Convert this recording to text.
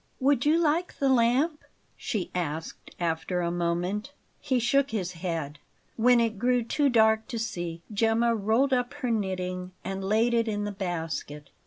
"Would you like the lamp?" she asked after a moment. He shook his head. When it grew too dark to see, Gemma rolled up her knitting and laid it in the basket.